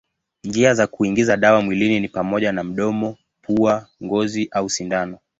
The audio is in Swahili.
Njia za kuingiza dawa mwilini ni pamoja na mdomo, pua, ngozi au sindano.